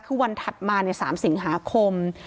คือวันถัดมา๓สิงหาคม